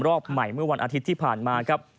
รอบใหม่เมื่อวันอาทิตย์ที่ผ่านมาครับ